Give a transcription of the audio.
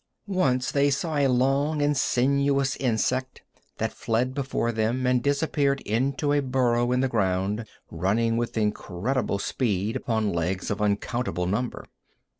Once they saw a long and sinuous insect that fled before them and disappeared into a burrow in the ground, running with incredible speed upon legs of uncountable number.